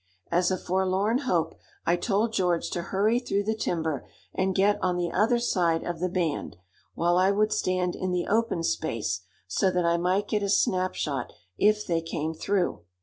As a forlorn hope I told George to hurry through the timber and get on the other side of the band, while I would stand in the open space, so that I might get a snap shot if they came through.